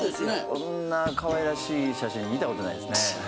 こんな可愛らしい写真見たことないですね。